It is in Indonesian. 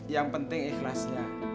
yang penting ikhlasnya